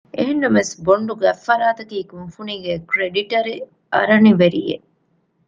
އެހެންނަމަވެސް ބޮންޑު ގަތްފަރާތަކީ ކުންފުނީގެ ކްރެޑިޓަރެއް އަރަނިވެރި އެއް